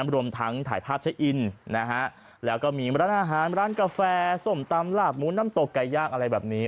รวมทั้งถ่ายภาพใช้อินแล้วก็มีร้านอาหารร้านกาแฟส้มตำหลาบหมูน้ำตกไก่ย่างอะไรแบบนี้